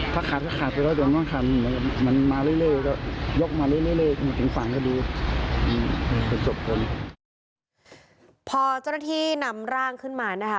พอเจ้าหน้าที่นำร่างขึ้นมานะคะ